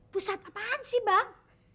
pusat apaan sih bang